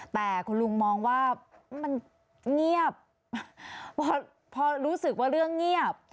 แต่คุณลุงมองว่ามันเงียบพอรู้สึกว่าเรื่องเงียบ